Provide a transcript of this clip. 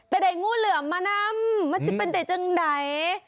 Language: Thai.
แต่เด็กงูเหลือมานั้มมันใช่เป็นเจ็ดจังใด